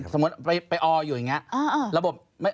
สมมุติไปอออยู่อย่างนี้